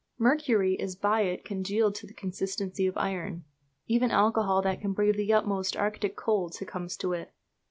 Mercury is by it congealed to the consistency of iron; even alcohol, that can brave the utmost Arctic cold, succumbs to it.